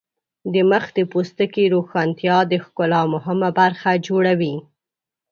د مخ د پوستکي روښانتیا د ښکلا مهمه برخه جوړوي.